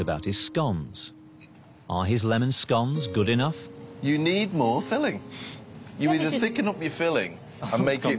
はい。